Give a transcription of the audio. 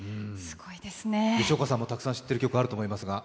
吉岡さんもたくさん知ってる曲あると思いますが。